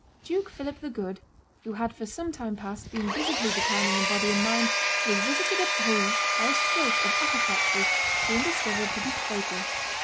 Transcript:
Duke Philip the Good, who had for some time past been visibly declining in body and mind, was visited at Bruges by a stroke of apoplexy, soon discovered to be fatal.